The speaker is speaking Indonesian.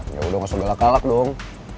ya udah gak usah belak galak dong